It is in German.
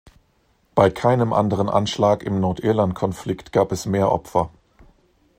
Bei keinem anderen Anschlag im Nordirlandkonflikt gab es mehr Opfer.